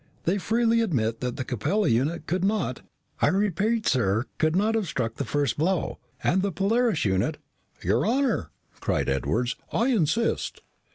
They freely admit that the Capella unit could not, I repeat, sir, could not have struck the first blow. And the Polaris unit " "Your honor !" cried Edwards. "I insist."